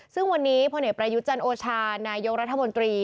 ซึ่งวันนี้พเนประยุจารณ์โอชานายโยครัฐมธรรมนตรี